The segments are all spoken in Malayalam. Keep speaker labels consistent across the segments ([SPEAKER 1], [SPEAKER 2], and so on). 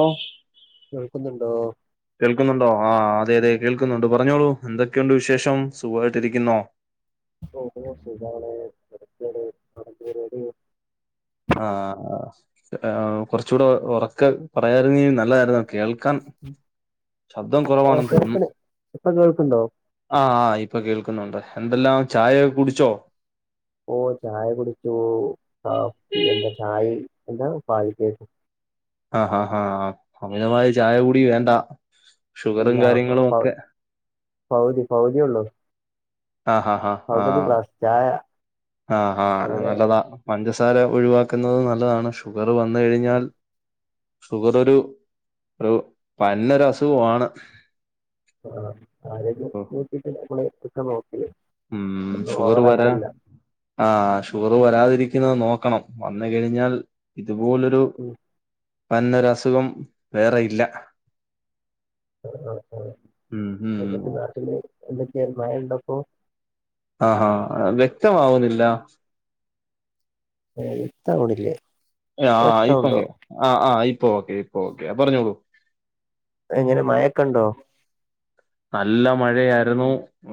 [SPEAKER 1] ഓ
[SPEAKER 2] കേൾക്കുന്നുണ്ടോ.
[SPEAKER 1] കേൾക്കുന്നുണ്ടോ ആഹ് അതെ അതെ കേൾക്കുന്നുണ്ട് പറഞ്ഞോളൂ എന്തൊക്കെയുണ്ട് വിശേഷം സുഖമായിട്ടിരിക്കുന്നോ.
[SPEAKER 2] സുഖാണ് കടക്കാണ്. [unintelligible]
[SPEAKER 1] ആഹ് ആ കുറച്ചുകൂടെ ഉറക്ക പറയാരുന്ന നല്ലതായിരുന്നു കേൾക്കാൻ. ശബ്ദം
[SPEAKER 2] ആ
[SPEAKER 1] കുറവാണെന്ന്
[SPEAKER 2] കേൾക്കണ്
[SPEAKER 1] തോന്നുന്നു.
[SPEAKER 2] ഇപ്പൊ കേൾക്കണ്ടോ
[SPEAKER 1] ആഹ് ആ ഇപ്പൊ കേൾക്കുന്നുണ്ട് എന്തെല്ലാം ചായക്കെ കുടിച്ചോ.
[SPEAKER 2] ഓ ചായ കുടിച്ചു ആ എന്താ ചായയും എന്താ പാൽ കേക്ക്.
[SPEAKER 1] ആ ആാ ഹാ ആ അമിതമായ ചായ കൂടി വേണ്ട ഷുഗറും
[SPEAKER 2] എല്ലാ
[SPEAKER 1] കാര്യങ്ങളും ഒക്കെ.
[SPEAKER 2] പൗതി പൗതി ഉള്ളു
[SPEAKER 1] ആ ഹാ
[SPEAKER 2] പൗതി ക്ലാസ് ചായ.
[SPEAKER 1] ആഹ് ആഹ്
[SPEAKER 2] വളരെ
[SPEAKER 1] നല്ലതാ പഞ്ചസാര ഒഴിവാക്കുന്നത് നല്ലതാണ് ഷുഗർ വന്ന് കഴിഞ്ഞാൽ. ഷുഗറൊരു ഒരു പരന്നൊരു അസുഖമാണ്.
[SPEAKER 2] ആ ആരേലും നോക്കിട്ട് നമ്മള് ഒക്കെ നോക്കിയ.
[SPEAKER 1] ഉം ഷുഗർ വരാ. ആ ഷുഗർ വരാതിരിക്കുന്നത് നോക്കണം വന്ന്കഴിഞ്ഞാൽ ഇതുപോലൊരു.
[SPEAKER 2] ഉം
[SPEAKER 1] അ പന്നരു അസുഖം വേറെ ഇല്ല.
[SPEAKER 2] ആ ആ
[SPEAKER 1] ഉം ഉം
[SPEAKER 2] എന്തൊക്കെ
[SPEAKER 1] ഉം.
[SPEAKER 2] നാട്ടില് എന്തൊക്കെയ മഴ ഉണ്ടപ്പോ.
[SPEAKER 1] അഹആഹാ വ്യക്തമാവുന്നില്ല.
[SPEAKER 2] ഏ വ്യക്താക്ണില്ലേ.
[SPEAKER 1] ആ ഇപ്പൊ ആ ആ ഇപ്പൊ ഓക്കെ ഇപ്പൊ ഓക്കെ പറഞ്ഞോളൂ.
[SPEAKER 2] ഇപ്പഎങ്ങനെ മഴൊക്കെ ഉണ്ടോ.
[SPEAKER 1] നല്ല മഴയായിരുന്നു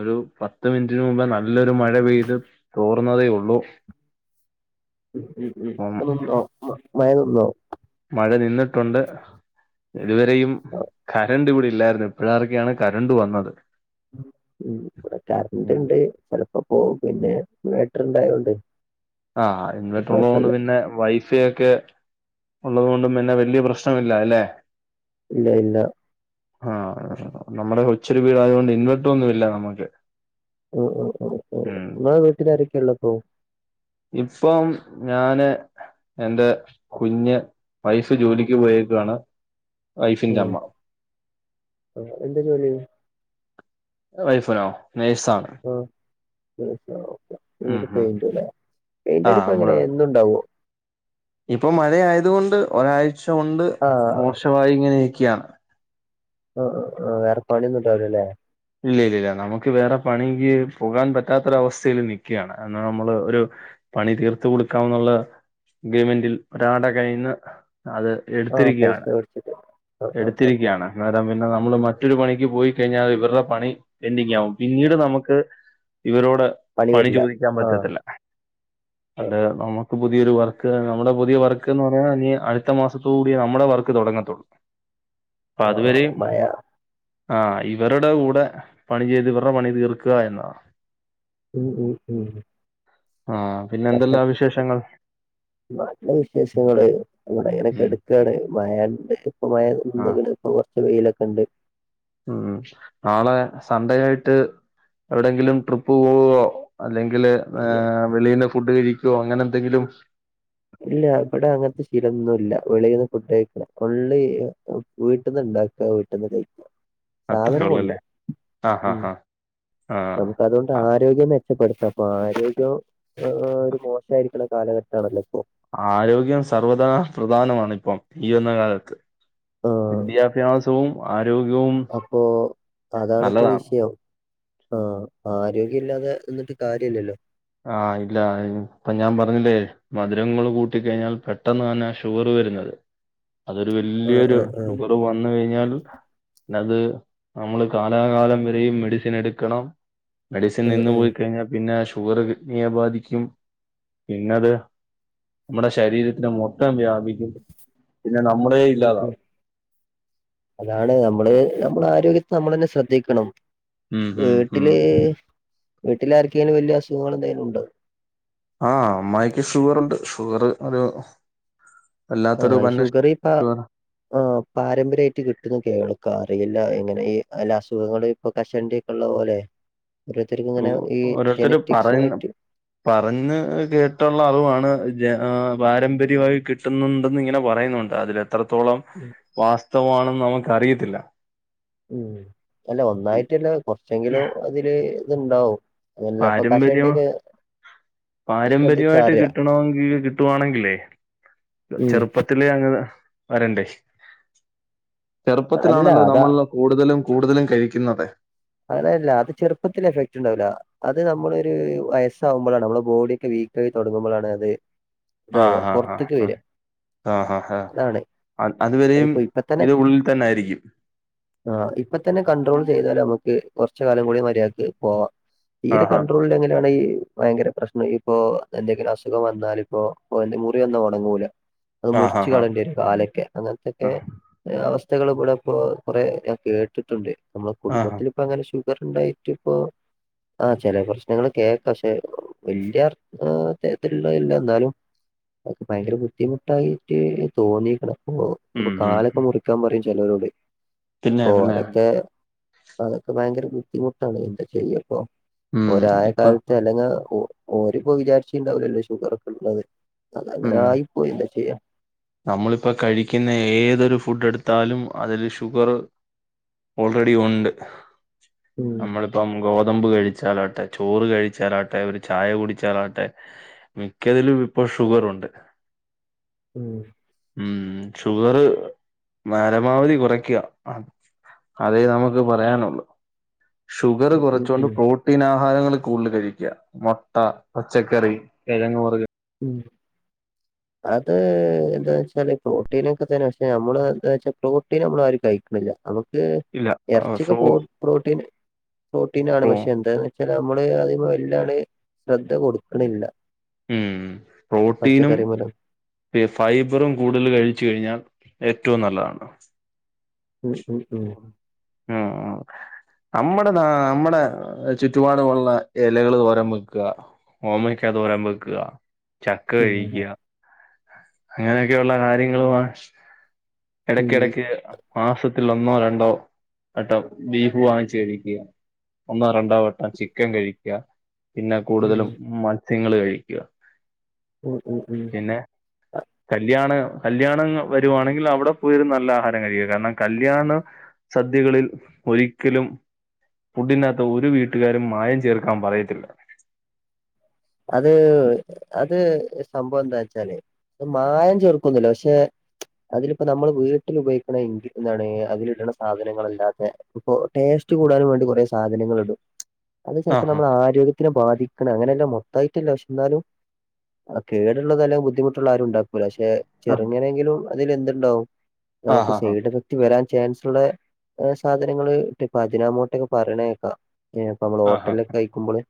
[SPEAKER 1] ഒരു പത്ത് മിനിറ്റിന് മുമ്പ് നല്ലൊരു മഴ പെയ്ത്. തോർന്നതേ ഉള്ളൂ. അപ്പം
[SPEAKER 2] ഇപ്പളും ഉണ്ടോ മഴനിന്നോ
[SPEAKER 1] മഴ നിന്നിട്ടുണ്ട് ഇതുവരെയും കരണ്ട് കൂടി ഇല്ലായിരുന്നു എപ്പോഴാക്കെയാണ് കരണ്ട് വന്നത്
[SPEAKER 2] ഉ ഇവിടെ കറന്റ്
[SPEAKER 1] ഉം
[SPEAKER 2] ഉണ്ട് ചെിലപ്പോ പോകും പിന്നെ ഇൻവേട്ടർ ഇണ്ടായോണ്ട്
[SPEAKER 1] ആഹ് ഇൻവേട്ടർ ഉണ്ടായത് കൊണ്ട്
[SPEAKER 2] കൊഴപ്പല്ല
[SPEAKER 1] പിന്നെ വൈ ഫഒക്കെ ഉള്ളത കൊണ്ടും പിന്നെ വലിയ പ്രശ്നമില്ല അല്ലെ
[SPEAKER 2] ഇല്ല ഇല്ല
[SPEAKER 1] ആഹ നമ്മുടെ കൊച്ചരി വീട ആയതുകൊണ്ട് ഇൻവെർട്ടർ ഒന്നും ഇല്ല നമ്മുക്ക്
[SPEAKER 2] ഉ ഉ നിങ്ങടെ വീട്ടിൽ ആാരൊക്കെയ ഉള്ളപ്പോ
[SPEAKER 1] ഇപ്പം ഞാന് എന്റെ കുഞ്ഞ് വൈഫ് ജോലിക്ക് പോയേക്കാണ്
[SPEAKER 2] ഉ
[SPEAKER 1] വൈഫിന്റെ അമ്മ
[SPEAKER 2] എന്താ ജോലി
[SPEAKER 1] വൈഫിനോ നെഴ്സാണ്
[SPEAKER 2] ആഓ
[SPEAKER 1] ഉം
[SPEAKER 2] നിക്ക്
[SPEAKER 1] ഉം
[SPEAKER 2] പെയിന്റ്
[SPEAKER 1] ആ
[SPEAKER 2] പെയിന്റ്ടി ഇപ്പ
[SPEAKER 1] നമ്മള്
[SPEAKER 2] അങ്ങനെ എന്നുണ്ടാവോ
[SPEAKER 1] ഇപ്പൊ മഴ ആയതുകൊണ്ട് ഒരാഴ്ച കൊണ്ട്
[SPEAKER 2] ആഹ്
[SPEAKER 1] മോശമായി ഇങ്ങനെക്കാണ്
[SPEAKER 2] ആ വേറെ പണിയൊന്നും ഇണ്ടാവിലല്ലേ
[SPEAKER 1] ഇല്ല്യ ഇല്ല്യ നമുക്ക് വേറെ പണിക്ക് പോകാൻ പറ്റാത്തൊരവസ്ഥയിൽ നിക്കാണ് എന്ന നമ്മള് ഒരു പണി തീർത്ത് കൊടുക്കാംഎന്നുള്ള ഇഗ്രമെന്റിൽ ഒരാട കയിന്ന് അത്
[SPEAKER 2] ആഹ് പൈസ
[SPEAKER 1] എടുത്തിരിക്കയാണ്
[SPEAKER 2] വേടിച്ചിട്ട് ആഹ് ആഹ് ആഹ് ആഹ്
[SPEAKER 1] എടുത്തിരിക്കയാണ് അന്നേരം പിന്നെ നമ്മൾ മറ്റൊരു പണിക്ക് പോയി കഴിഞ്ഞാൽ ഇവരുടെ പണി പെൻ്റിങ്ങാവും പിന്നീട് നമുക്ക് ഇവരോട് പണി
[SPEAKER 2] വരില്ല
[SPEAKER 1] ചോദിക്കാൻ
[SPEAKER 2] ആഹ്
[SPEAKER 1] പറ്റത്തില്ല അത് നമുക്ക് പുതിയൊരു വർക്ക് നമ്മുടെ പുതിയ വർക്ക്ന്ന് പറഞ്ഞ ഇനി അടുത്ത മാസത്തോ കൂടി നമ്മുടെ വർക്ക് തുടങ്ങത്തുള്ളൂ അ
[SPEAKER 2] ആഹ് ആഹ്
[SPEAKER 1] അതുവരെ
[SPEAKER 2] മഴ
[SPEAKER 1] ആ ഇവരുടെ ക ടെ പണി ചെയ്ത് ഇവറെപണി തീർക്കാ എന്നതാ
[SPEAKER 2] ഉം ഉം ഉം ഉ
[SPEAKER 1] ആഹ്
[SPEAKER 2] കഷ്ട്ടം നാട്ടിലെ വിശേഷങ്ങള് [unintelligible]
[SPEAKER 1] ഉം,
[SPEAKER 2] ഇപ്പവിടെ മഴണ്ട് ഇപ്പ മഴ
[SPEAKER 1] ആ
[SPEAKER 2] നിന്ന്ക്ക്ണ്ഇപ്പ കുറച്ച് വെയിലൊക്കെണ്ട്
[SPEAKER 1] ഉ നാളെ സൺഡേ ആയിട്ട് എവിടെയെങ്കിലും ട്രിപ്പ് പോവോ അല്ലെങ്കിൽ
[SPEAKER 2] പിന്നെ ഇല്ല
[SPEAKER 1] വെളിലെഫുഡ് കഴിക്കോ അങ്ങനെ എന്തെങ്കിലും
[SPEAKER 2] ഇല്ല ഇവിടെ അങ്ങനത്തെ ശീലംഒന്നുല്ല വെളീന്ന് ഫുഡ്കഴിക്കാ ഉള്ളി വീട്ടിന്ന് ഇണ്ടാക്ക വീട്ടിൽന്ന് കയ്ക്ക
[SPEAKER 1] അത്രേ
[SPEAKER 2] സാധനം
[SPEAKER 1] ഉള്ളല്ലേ
[SPEAKER 2] കൊണ്ടരും
[SPEAKER 1] ആ ഹാ ഹാ ആ
[SPEAKER 2] നമുക്കതും ആരോഗ്യം മെച്ചപ്പെടുത്ത അപ്പൊ ആരോഗ്യം ഒരു മോശായിരിക്ക്ണ കാലഘട്ടാണല്ലോ ഇപ്പോ
[SPEAKER 1] ആരോഗ്യം സർവ്വത നാൽ പ്രധാനമാണ് ഇപ്പം ഈ വരുന്നകാലത്ത്
[SPEAKER 2] ആഹ്
[SPEAKER 1] വിദ്യാഭ്യാസ വും ആരോഗ്യവും
[SPEAKER 2] അപ്പൊ അതാണിപ്പോ
[SPEAKER 1] നല്ലതാണ്
[SPEAKER 2] വിഷയം ആഹ് ആരോഗ്യ ഇല്ലാതെ ഇരുന്നിട്ട് കാര്യല്ലല്ലോ
[SPEAKER 1] ആ ഇല്ല ഇപ്പൊ ഞാൻ പറഞ്ഞില്ലേ മധുരങ്ങൾ കൂട്ടി കഴിഞ്ഞാൽ പെട്ടെന്നാണ് ഷുഗർ വരുന്നത് അതൊരു
[SPEAKER 2] ആഹ്
[SPEAKER 1] വല്യൊരു
[SPEAKER 2] ആഹ് ആഹ്
[SPEAKER 1] ഷുഗർ വന്ന കഴിഞ്ഞാൽ പിന്നത് നമ്മള് കാലാകാലം വരെയും മെഡിസിൻ എടുക്കണം മെഡിസിൻ
[SPEAKER 2] ആഹ് ആഹ്
[SPEAKER 1] നിന്ന്പോയി കഴിഞ്ഞാൽ പിന്നെ ഷുഗർ കിണ്നിയെ ബാധിക്കും പിന്നെത് നമ്മുടെ ശരീരത്തിന് മൊത്തം വ്യാപിക്കും പിന്നെ നമ്മളേ
[SPEAKER 2] ഉം ഉം
[SPEAKER 1] ഇല്ലാതാവും
[SPEAKER 2] അതാണ് നമ്മള് നമ്മള ആരോഗ്യത്തെ നമ്മൾ തന്നെ ശ്രദ്ധിക്കണം
[SPEAKER 1] ഉം ഉം ഉം
[SPEAKER 2] വീട്ടില് വീട്ടിലെആർക്കെങ്കിലും വല്ല്യ അസുഖങ്ങൾഎന്തെലുണ്ടോ
[SPEAKER 1] ആഹ് അമ്മായിക്ക് ഷുഗറുണ്ട് ഷുഗർ ഒരു വല്ലാത്തൊരു
[SPEAKER 2] ആഹ്
[SPEAKER 1] ഉപന്യ
[SPEAKER 2] ഷുഗറിപ്പ ആഹ് പാരമ്പര്യായിട്ട് കിട്ടുന്നു കേൾക്കാ അറിയില്ല എങ്ങനെ ഈ അല്ല അസുഖങ്ങൾ ഇപ്പൊ കഷണ്ടി ഉള്ളപലെ ഓരോരുത്തർക്കു ഇങ്ങനെ ഈ
[SPEAKER 1] ഓരോരുത്തര് പറയുന്ന
[SPEAKER 2] ജനറ്റിക്സുമായിട്ട്
[SPEAKER 1] പറഞ്ഞ് കേട്ടുള്ള അറിവാണ് പാരമ്പര്യമായി കിട്ടുന്നുണ്ടെന്ന് ഇങ്ങനെ പറയുന്നുണ്ട് അതിലെത്രത്തോളം
[SPEAKER 2] ഉം
[SPEAKER 1] വാസ്തവമാണെന്ന് നമുക്കറിയത്തില്ല
[SPEAKER 2] ഉം അല്ല ഒന്നായിട്ടല്ല കൊറച്ചെങ്കിലും അതില് ഇത്ണ്ടാവും ഇല്ലപ്പൊ കഷണ്ടിക്കൊ
[SPEAKER 1] പാരമ്പര്യായിട്ട് കിട്ടണെങ്കി കിട്ടുവാണെങ്കിലേ
[SPEAKER 2] ഉം
[SPEAKER 1] ചെറുപ്പത്തി ലേ അങ്ങ് വരണ്ടേ
[SPEAKER 2] അല്ല
[SPEAKER 1] ചെറുപ്പത്തിലാണല്ലോ
[SPEAKER 2] അതാ
[SPEAKER 1] നമ്മളില് കൂടുതലും കൂടുതലും കഴിക്കുന്നത്
[SPEAKER 2] അതെല്ല അത് ചെറുപ്പത്തിലെ കഴിക്കുണ്ടാവുല അത് നമ്മളൊരു വയസ്സാവുമ്പളാണ് നമ്മുടെ ബോഡിയൊക്കെ വീക്കായി തൊടങ്ങുമ്പൊളാണത്
[SPEAKER 1] ആ
[SPEAKER 2] ഇതാവ്ആ
[SPEAKER 1] ആ ആ
[SPEAKER 2] പൊറത്ത്ക്ക് വരാ
[SPEAKER 1] ആ ഹാ ഹാ അത് വരെയും
[SPEAKER 2] ഇപ്പൊ ഇപ്പ തന്നെ
[SPEAKER 1] ഇത് ഉള്ളിൽ തന്നായിരിക്കും.
[SPEAKER 2] ആ ഇപ്പത്തന്നെ കണ്ട്രോൾ ചെയ്താലമ്ക്ക് കൊറച്ച് കാലം കൂടി മര്യാക്ക് പോവാ
[SPEAKER 1] ആ
[SPEAKER 2] തീരെ
[SPEAKER 1] ആ
[SPEAKER 2] കൺട്രോളില്ലെങ്കിലാണീ ഭയങ്കര പ്രശ്നാ ഇപ്പൊ എന്തെങ്കിലും അസുഖം വന്നാലിപ്പോ ഓന്റെ മുറിയൊന്നും ഒണങ്ങൂല അത്
[SPEAKER 1] ആ ആ
[SPEAKER 2] മുറിച്ച്
[SPEAKER 1] ആ
[SPEAKER 2] കളയണ്ടിവരും കാലൊക്കെ അങ്ങനത്തൊക്കെ അവസ്ഥകള് ഇവിടെ ഇപ്പോ കൊറേ ഞാൻ കേട്ടിട്ടുണ്ട് നമ്മളെ
[SPEAKER 1] ആ ആ
[SPEAKER 2] കുടുംബത്തില് അങ്ങനെ ഷുഗറ്ണ്ടായിട്ട്പ്പോ ആ ചെല പ്രശ്നങ്ങളൊക്കെ പക്ഷെ വല്യ ആ തരത്തിലുള്ളതില്ല എന്നാലും അതൊക്കെ ഭയങ്കര ബുദ്ധിമുട്ടായിട്ട് തോന്നിക്കണ് അപ്പൊ അപ്പൊ
[SPEAKER 1] ഉം
[SPEAKER 2] കാലൊക്കെ
[SPEAKER 1] ഉം
[SPEAKER 2] മുറിക്കാൻ പറയും ചെലരോട്
[SPEAKER 1] പിന്നെ
[SPEAKER 2] അപ്പോ
[SPEAKER 1] പിന്നെ
[SPEAKER 2] അതൊക്കെ അതൊക്കെ ഭയങ്കര ബുദ്ധിമുട്ടാണ് എന്താ ചെയ്യപ്പൊ
[SPEAKER 1] ഉം
[SPEAKER 2] ഒരായ
[SPEAKER 1] ഇപ്പൊ
[SPEAKER 2] കാലത്ത് അല്ലെങ്ങ ഓര്പ്പൊ വിചാരിച്ച്ണ്ടാവുല്ലല്ലോ ഷുഗറൊക്കുള്ളത് അതങ്ങനായിപ്പോയി എന്താ ചെയ്യാ
[SPEAKER 1] നമ്മളിപ്പൊ കഴിക്കുന്ന ഏതൊരു ഫുഡെടുത്താലും അതില് ഷുഗർ ഓൾറെഡിയുണ്ട്
[SPEAKER 2] ഉം
[SPEAKER 1] നമ്മള് ഇപ്പം ഗോതമ്പ് കഴിച്ചാലാട്ടെ ചോറ് കഴിച്ചാലാട്ടെ ഒരു ചായ കുടിച്ചാലാട്ടെ മിക്കതിലും ഇപ്പൊ ഷുഗറുണ്ട്.
[SPEAKER 2] ഉം
[SPEAKER 1] മ് ഷുഗറ് പരമാവധി കൊറയ്ക്ക്യ അതേ നമുക്ക് പറയാനുള്ളൂ. ഷുഗറ്
[SPEAKER 2] ഉം ഉം
[SPEAKER 1] കൊറച്ചോണ്ട്
[SPEAKER 2] ഉം
[SPEAKER 1] പ്രോട്ടീ പ്രോട്ടീനാഹാരങ്ങൾ കൂടുതൽ കഴിക്ക മൊട്ട പച്ചക്കറി കെഴങ്ങ് വർ
[SPEAKER 2] ഉം
[SPEAKER 1] [inaudible]
[SPEAKER 2] അത് എന്താവെച്ചാല് പ്രോട്ടീനൊക്കെതന്നെ പക്ഷെ നമ്മള് എന്താ വെച്ചാ പ്രോട്ടീന് നമ്മളാരും കഴിക്ക്ണില്ല അത്
[SPEAKER 1] ഇല്ല
[SPEAKER 2] എറച്ചിയൊക്കെ പ്രോ പ്രോട്ടീൻ പ്രോട്ടീനാണ്
[SPEAKER 1] പ്രോ
[SPEAKER 2] പക്ഷെ എന്താ ന്നെച്ചാ നമ്മള് അതിന് വല്ലാണ്ട് ശ്രദ്ധ കൊട്ക്ക്ണില്ല
[SPEAKER 1] ഉം പ്രോട്ടീനും
[SPEAKER 2] മൂലം
[SPEAKER 1] ഫൈബറും കൂടുതൽ കഴിച്ച് കഴിഞ്ഞാൽ ഏറ്റവും നല്ലതാണല്ലോ
[SPEAKER 2] ഉം ഉം ഉം
[SPEAKER 1] ഉം ഉം നമ്മടെ നാ നമ്മടെ ചുറ്റുപാടുള്ള എലകള് തോരൻ വെക്ക്ക ഓമയ്ക്കാ തോരൻ വെക്ക്ക ചക്ക
[SPEAKER 2] ഉം ഉം
[SPEAKER 1] കഴിക്ക്ക അങ്ങനെയൊക്കുള്ള കാര്യങ്ങളുആ എടക്കെടയ്ക്ക് മാസത്തിൽ ഒന്നോ രണ്ടോ വട്ടം ബീഫ് വാങ്ങിച്ച് കഴിക്ക്ക ഒന്നോ രണ്ടോ വട്ടം ചിക്കൻ കഴിക്കുക പിന്നെ കൂടുതലും
[SPEAKER 2] ഉം
[SPEAKER 1] മത്സ്യങ്ങള് കഴിക്കുക
[SPEAKER 2] ഉം ഉം ഉം
[SPEAKER 1] കല്യാ കല്യാണം വരുവാണെങ്കിൽ അവിടെ പോയിരുന്ന് നല്ല ആഹാരം കഴിക്ക്ക കാരണം കല്യാണ സദ്യകളിൽ ഒരിക്കലും ഫുഡിനകത്ത് ഒരു വീട്ടുകാരും മായം ചേർക്കാൻ പറയത്തില്ല.
[SPEAKER 2] അത് അത് സംഭവെന്താ വെച്ചാല് മായം ചേർക്കൊന്നില്ല പക്ഷെ അതിലിപ്പോ നമ്മള് വീട്ടിലുപയോഗിക്കണ ഇൻഗ്രീ എന്താണ് അതിലിടണ സാധനങ്ങളല്ലാതെ ഇപ്പൊ ടേസ്റ്റ് കൂടാനും വേണ്ടി കൊറേ സാധനങ്ങള്ടും അത് ചെലപ്പോം
[SPEAKER 1] ആഹാ
[SPEAKER 2] നമ്മളാരോഗ്യത്തിനെ ബാധിക്ക്ണങ്ങനെല്ലാമാ അതേറ്റല്ല പക്ഷെ ന്നാലും കേടുള്ളതെല്ലാ ബുദ്ധിമുട്ടുള്ളാരുണ്ടാ പക്ഷെ ചെറുങ്ങനെങ്കിലും അതിലെന്തുണ്ടാവും നമുക്ക്
[SPEAKER 1] ആഹാ ആഹാ
[SPEAKER 2] സൈഡെഫെ റ്റ് വരാൻ ചാൻസുള്ളെ സാധനങ്ങള്ട്ട് ഇപ്പ അജിനാമോട്ടെക്കെ പറയ്ണേക്ക ഏഹ് അപ്പൊ നമ്മള്
[SPEAKER 1] ആഹാ
[SPEAKER 2] ഹോട്ടല്ലൊക്കെ കഴിക്കുമ്പള്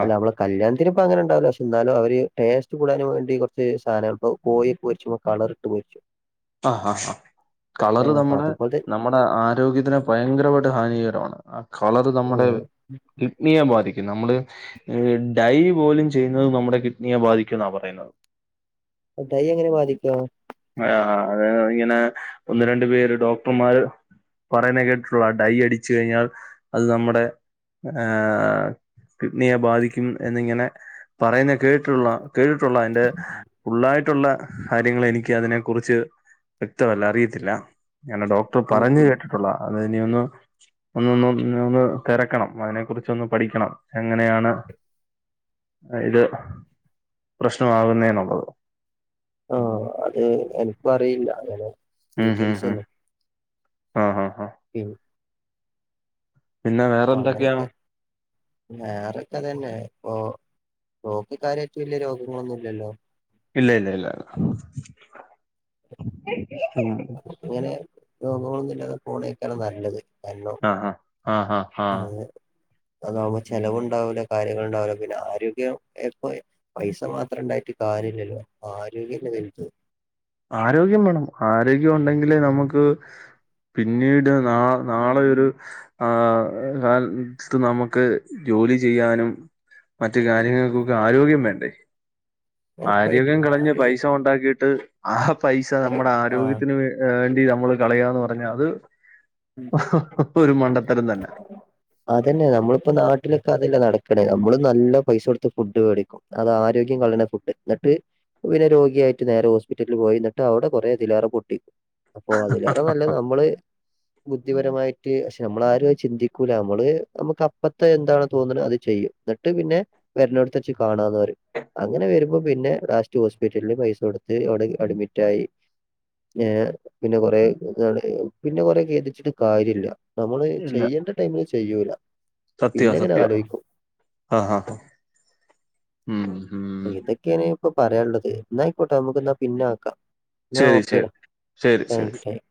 [SPEAKER 2] അല്ല നമ്മളെ കല്യാത്തിന് ഇപ്പങ്ങനെ ഉണ്ടാവുല പക്ഷേ എന്നാലും അവര് ടേസ്റ്റ് കൂടാനും വേണ്ടി കൊറച്ച് സാനങ്ങള് പ്പോ കോയി പോയിരിച്ചുമൊ കളർ ട് പോയിട്ട്
[SPEAKER 1] ആഹ് ആഹ് കളറ്
[SPEAKER 2] അപ്പൊ
[SPEAKER 1] നമ്മുടെ
[SPEAKER 2] അതുപോലെ
[SPEAKER 1] നമ്മുടെ ആരോഗ്യത്തിന് ഭയങ്കരമായിട്ട് ഹാനികരാണ്. ആ കളറ് നമ്മുടെ ഇ
[SPEAKER 2] ആഹ്
[SPEAKER 1] കിഡ്നിയെ ബാധിക്കും നമ്മള് ഡൈ പോലും ചെയ്യുന്നത് നമ്മുടെ കിഡ്നിയെ ബാധിക്കുന്നാ പറയുന്നത്. [inaudible]
[SPEAKER 2] ഡൈ അങ്ങനെ ബാധിക്കോ
[SPEAKER 1] ആ അത് ഇങ്ങനെ ഒന്ന് രണ്ട് പേര് ഡോക്ടർമാര് പറയ്ണേ കേട്ടിട്ടൊള്ളൂ ഡൈ അടിച്ചു കഴിഞ്ഞാൽ അത് നമ്മടെ ആ കിഡ്നിയെ ബാധിക്കും എന്നിങ്ങനെ പറയുന്ന കേട്ടുള്ളൂ കേട്ടിട്ടുള്ള അയിൻ്റെ ഫുള്ളായിട്ടുള്ള കാര്യങ്ങള് എനിക്ക് അതിനെ കുറിച്ച് വ്യക്തമല്ല അറിയത്തില്ല അങ്ങനെ ഡോക്ടർ
[SPEAKER 2] ഉം
[SPEAKER 1] പറഞ്ഞു
[SPEAKER 2] ഉം
[SPEAKER 1] കേട്ടിട്ടുള്ള അതെന്നേണ് ഒന്നൊന്ന് ഒന്ന് തെരക്കണം അതിനെ കുറിച്ചൊന്ന് പഠിക്കണം എങ്ങനെയാണ് ഇത് പ്രശ്നമാകുന്നേന്നുള്ളത്
[SPEAKER 2] ആഹ് അത് എനിക്കു അറിയില്ല അങ്ങനെ
[SPEAKER 1] ഉം ഉം ഉം
[SPEAKER 2] ഡീറ്റെയിൽസൊന്നും
[SPEAKER 1] ആഹ് ആഹ് ആഹ്
[SPEAKER 2] ഉം
[SPEAKER 1] പിന്നെ വേറെ
[SPEAKER 2] പ്പൊ
[SPEAKER 1] എന്തൊക്കെയാണ്
[SPEAKER 2] അങ്ങനൊക്കെയാ വേറൊക്കെ അതന്നെ ഇപ്പൊ നോക്കി കാര്യായിറ്റ് വലിയ രോഗങ്ങളൊന്നുല്ലല്ലോ
[SPEAKER 1] ഇല്ല ഇല്ല ഇല്ല ഉം
[SPEAKER 2] ഇങ്ങനെ രോഗങ്ങളൊന്നുല്ലാതെ പോണെയ്ക്കാണ നല്ലത് ഹലോ
[SPEAKER 1] ആഹ് ആഹ് ആഹ് ആഹ് ആഹ്
[SPEAKER 2] ഉം അതാകുമ്പോ ചെലവുണ്ടാവുലാ കാര്യങ്ങളുണ്ടാവൂലാ പിന്നെ ആരോഗ്യം എപ്പൊ പൈസ മാത്രം ഇണ്ടായിട്ട് കാരൃല്ലല്ലോ ആരോഗ്യല്ലെ വല്ത്
[SPEAKER 1] ആരോഗ്യം വേണം ആരോഗ്യം ഒണ്ടെങ്കിലേ നമുക്ക് പിന്നീട് നാ നാളെ ഒര് ആ കാലത്ത് നമുക്ക് ജോലി ചെയ്യാനും മറ്റു കാര്യങ്ങൾക്കൊക്കെ ആരോഗ്യം വേണ്ടേ
[SPEAKER 2] ഉറപ്പായിട്ടും
[SPEAKER 1] ആരോഗ്യം കളഞ്ഞ്
[SPEAKER 2] ആരോഗ്യം
[SPEAKER 1] പൈസ ഉണ്ടാക്കിയിട്ട് ആ പൈസ
[SPEAKER 2] കൊറേ
[SPEAKER 1] നമ്മുടെ
[SPEAKER 2] ആഹ്
[SPEAKER 1] ആരോഗ്യത്തിന് വേണ്ടി നമ്മള് കളയാന്ന് പറഞ്ഞാ അത് ഒരു മണ്ടത്തരം തന്നെ.
[SPEAKER 2] അതന്നെ നമ്മളിപ്പ നാട്ടിലൊക്കെ അതല്ലെ നടക്ക്ണ് നമ്മള് നല്ല പൈസ കൊടുത്ത് ഫുഡ് വേടിക്കും അതാരോഗ്യം കളയ്ണ ഫുഡ് എന്ന്ട്ട് പിന്നെ രോഗിയായിട്ട് നേരെ ഹോസ്പിറ്റലിൽ പോയി ന്ന്ട്ട് അവിടെ കുറേതിലേറെ പൊട്ടി അപ്പൊ അതിലേറെ നല്ലെ നമ്മള് ബുദ്ധിപരമായിട്ട് പക്ഷെ നമ്മളാരുത് ചിന്തിക്കൂല നമ്മള് നമുക്ക് അപ്പത്തെ എന്താണ് തോന്ന്ണ് അത് ചെയ്യും എന്ന്ട്ട് ട്ട് പിന്നെ വരനോട്ത്ത് വെച്ച് കാണാന്ന് പറേം അങ്ങനെ വരുമ്പോ പിന്നെ ലാസ്റ്റ് ഹോസ്പിറ്റലിൽ പൈസ കൊടുത്ത് അവിടെ അഡ്മിറ്റായി ഏഹ് പിന്നെ കൊറേ പിന്നെ കൊറെ കൈത് ച്ട്ട് കാര്യല്ല നമ്മള്
[SPEAKER 1] ഇല്ല
[SPEAKER 2] ചെയ്യേണ്ട ടൈമില് ചെയ്യൂല
[SPEAKER 1] സത്യവാ
[SPEAKER 2] പിന്നെങ്ങനെ
[SPEAKER 1] സത്യവാ
[SPEAKER 2] ആലോയ്ക്കും
[SPEAKER 1] ആഹ് ആഹ് ഉം മ്ഹ്
[SPEAKER 2] ഇതൊക്കേണ് ഇപ്പൊ പറയാള്ളത് ന്നായിക്കോട്ടെ നമുക്ക്ന്നാ പിന്നെ ആക്ക ന്നാ
[SPEAKER 1] ശരി
[SPEAKER 2] ഓക്കേടാ
[SPEAKER 1] ശരി ശരി ശരി
[SPEAKER 2] ടാങ്ക്യു ടാങ്ക്യൂ